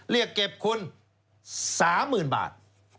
เรียกเก็บคุณ๓๐๐๐บาท